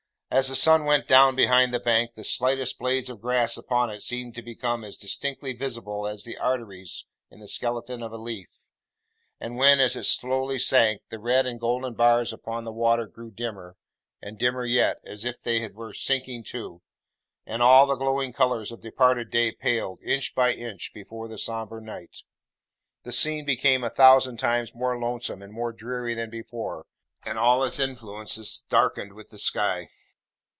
As the sun went down behind the bank, the slightest blades of grass upon it seemed to become as distinctly visible as the arteries in the skeleton of a leaf; and when, as it slowly sank, the red and golden bars upon the water grew dimmer, and dimmer yet, as if they were sinking too; and all the glowing colours of departing day paled, inch by inch, before the sombre night; the scene became a thousand times more lonesome and more dreary than before, and all its influences darkened with the sky.